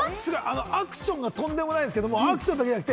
アクションがとんでもないんですけれども、アクションだけでなく、